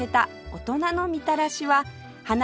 大人のみたらし。